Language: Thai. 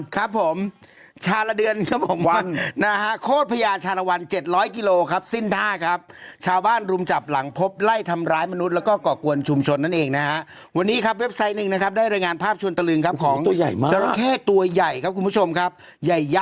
ก็เล่ามาต้องหยิบว่าใบละ๘๐แล้วพามมมมมมมมมาที่ก็มีหลายช่วงอ่ะใจร้ายล้อะ